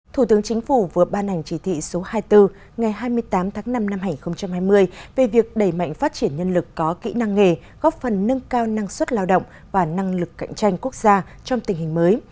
thủ tướng chính phủ vừa ban hành chỉ thị số hai mươi bốn ngày hai mươi tám tháng năm năm hai nghìn hai mươi về việc đẩy mạnh phát triển nhân lực có kỹ năng nghề góp phần nâng cao năng suất lao động và năng lực cạnh tranh quốc gia trong tình hình mới